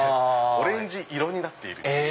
オレンジ色になっているという。